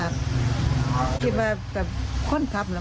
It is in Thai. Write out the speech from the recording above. ดีบ่อยจะพอนี้เมื่อ